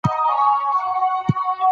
قانون د اداري واک مشروعیت ټاکي.